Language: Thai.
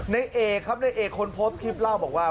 เนทเอเคิปเล่าว่า